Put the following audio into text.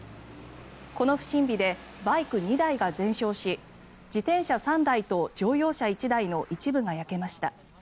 この不審火でバイク２台が全焼し自転車３台と乗用車１台の一部が焼けました。